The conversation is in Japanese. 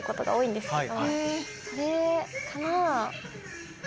それかな？